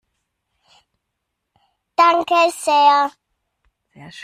Danke sehr!